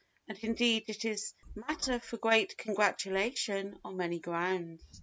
And indeed it is matter for great congratulation on many grounds.